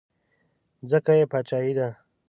ځکه یې باچایي ده.